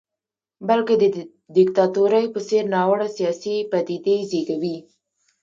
بلکې د دیکتاتورۍ په څېر ناوړه سیاسي پدیدې زېږوي.